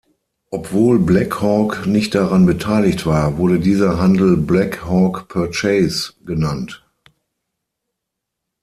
Obwohl Black Hawk nicht daran beteiligt war, wurde dieser Handel Black-Hawk-Purchase genannt.